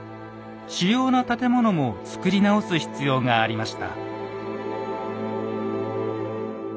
主要な建物も造り直す必要がありました。